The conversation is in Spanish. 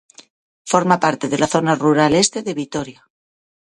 Forma parte de la Zona Rural Este de Vitoria.